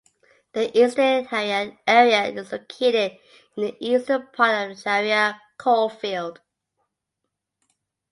The Eastern Jharia Area is located in the eastern part of Jharia coalfield.